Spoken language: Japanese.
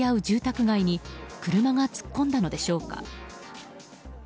住宅街に車が突っ込んだのでしょうか。